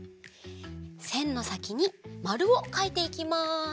せんのさきにマルをかいていきます。